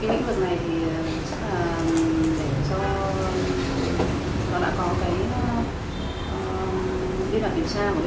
cái lĩnh vực này thì chắc là để cho nó đã có cái biên bản kiểm tra của liên lạc y tế